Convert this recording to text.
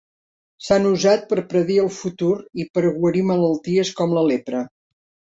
S'han usat per predir el futur i per guarir malalties com la lepra.